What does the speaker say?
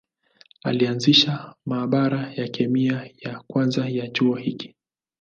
Alianzisha maabara ya kemia ya kwanza ya chuo hiki.